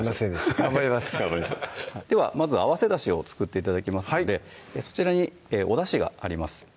頑張りましょうではまず合わせだしを作って頂きますのでそちらにおだしがあります